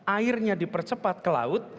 airnya dipercepat ke laut